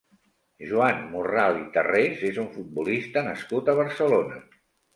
Joan Morral i Tarrés és un futbolista nascut a Barcelona.